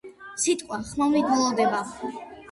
სიტყვა ხმოვნით ბოლოვდება.